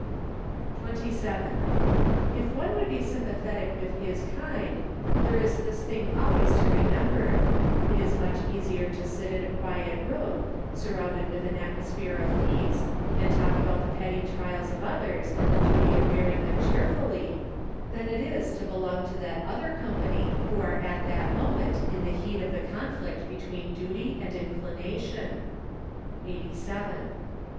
36 MARCH. 27. If one would be sympathetic with his kind, there is this thing always to re¬ member : it is much easier to sit in a quiet room, surrounded with an atmosphere of peace, and talk about the petty trials of others, and the duty of bearing them cheer¬ fully, than it is to belong to that other com¬ pany who are at that moment in the heat of the conflict between duty and inclination. Eighty Seven.